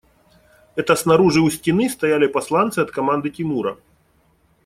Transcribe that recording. Это снаружи у стены стояли посланцы от команды Тимура.